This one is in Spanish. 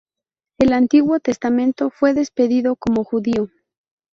El Antiguo Testamento fue despedido como judío.